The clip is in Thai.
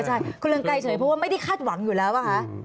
ใช่คุณเรืองไกรเฉยเพราะว่าไม่ได้คาดหวังอยู่แล้วป่ะคะ